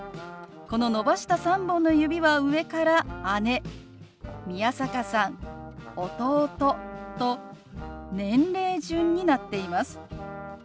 この伸ばした３本の指は上から姉宮坂さん弟と年齢順になっています。